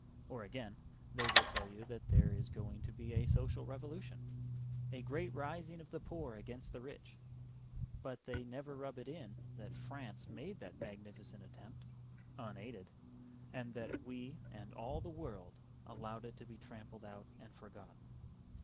Or again, they will tell you that there is going to be a social revolution, a great rising of the poor against the rich; but they never rub it in that France made that magnificent attempt, unaided, and that we and all the world allowed it to be trampled out and forgotten.